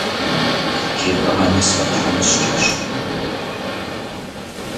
Итӏани сфӏэтхьэмыщкӏэщ.